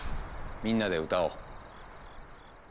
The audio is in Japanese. みんなで歌おう。